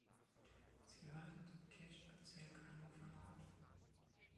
Sie gehörte zum Kirchenbezirk "Hannover Nord".